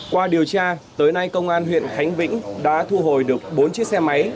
qua điều tra tới nay công an huyện khánh vĩnh đã thu hồi được bốn chiếc xe máy